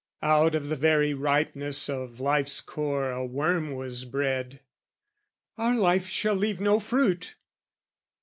Out of the very ripeness of life's core A worm was bred "Our life shall leave no fruit."